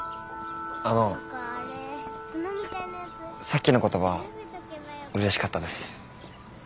あのさっきの言葉うれしかったです。